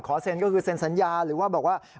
เซ็นก็คือเซ็นสัญญาหรือว่าบอกว่า